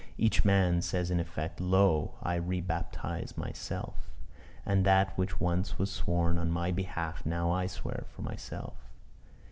Each man says in effect "Lo! I rebaptise myself; and that which once was sworn on my behalf, now I swear for myself."